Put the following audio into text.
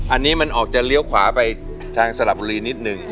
อันนี้มันออกจะเลี้ยวขวาไปทางสลับบุรีนิดนึง